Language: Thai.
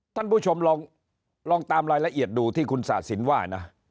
ท่านผู้ชมลองตามรายละเอียดดูที่คุณศาสินว่านะ